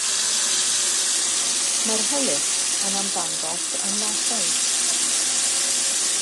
Mae'r hylif yn ymddangos yn lasaidd.